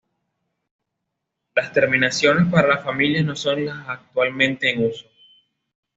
Las terminaciones para las familias no son las actualmente en uso.